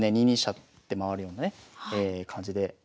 ２二飛車って回るようなね感じで。